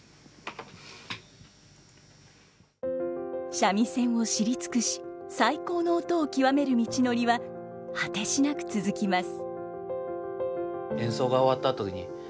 三味線を知り尽くし最高の音を極める道のりは果てしなく続きます。